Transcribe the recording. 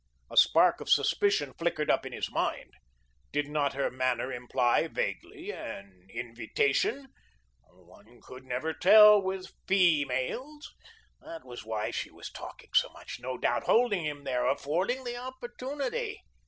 A spark of suspicion flickered up in his mind. Did not her manner imply, vaguely, an invitation? One never could tell with feemales. That was why she was talking so much, no doubt, holding him there, affording the opportunity.